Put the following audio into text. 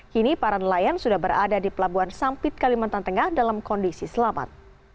kini para nelayan sudah berada di pelabuhan sampit kalimantan tengah dalam kondisi selamat